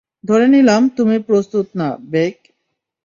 ধরে নিলাম, তুমি প্রস্তুত না, বেক!